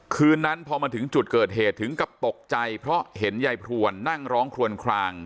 คืนนั้นพอมาถึงจุดเกิดเหตุถึงกับตกใจเพราะเห็นยายพรวนนั่งร้องคลวนคลาง